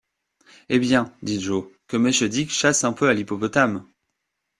Eh bien! dit Joe, que monsieur Dick chasse un peu à l’hippopotame !